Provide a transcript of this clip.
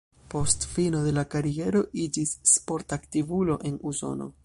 Post fino de la kariero iĝis sporta aktivulo en Usono.